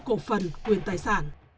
cổ phần quyền tài sản